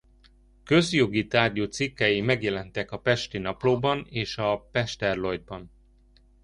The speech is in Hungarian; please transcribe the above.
Közjogi tárgyú cikkei megjelentek a Pesti Naplóban és a Pester Lloydban.